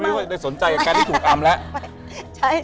ซึ่งเลยไม่ได้ชอบใจการได้ถูกอำลัง